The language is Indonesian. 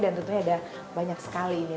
dan tentunya ada banyak sekali ini